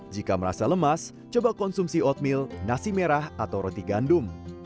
jika merasa lemas coba konsumsi oatmeal nasi merah atau roti gandum